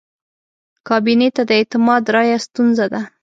کابینې ته د اعتماد رایه ستونزه ده.